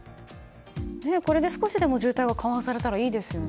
これで少しでも渋滞が緩和されたらいいですよね。